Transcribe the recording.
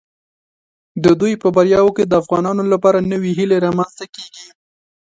د دوی په بریاوو کې د افغانانو لپاره نوې هیله رامنځته کیږي.